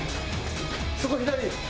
そこ左。